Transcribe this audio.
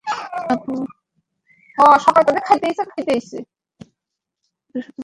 অপু অতশত বোঝে না, সে অভিমানে ঠোঁট ফুলাইয়া বলিল, কি হয়েছে বইকি!